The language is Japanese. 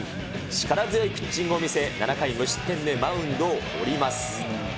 力強いピッチングを見せ、７回無失点でマウンドを降ります。